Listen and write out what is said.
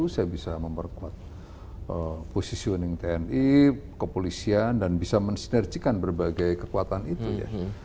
saya bisa memperkuat posisioning tni kepolisian dan bisa mensinerjikan berbagai kekuatan itu ya